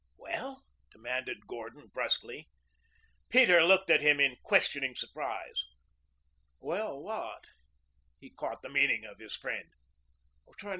"Well?" demanded Gordon brusquely. Peter looked at him in questioning surprise. "Well, what?" He caught the meaning of his friend.